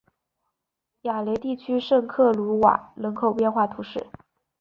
雅雷地区圣克鲁瓦人口变化图示